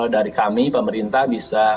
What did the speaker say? dari kami pemerintah bisa